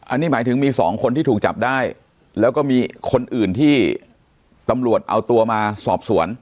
อันนี้หมายถึงมีสองคนที่ถูกจับได้แล้วก็มีคนอื่นที่ตำรวจเอาตัวมาสอบสวน